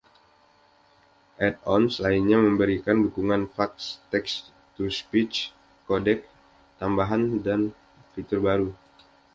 add-ons lainnya memberikan dukungan faks, text-to-speech, codec tambahan dan fitur baru.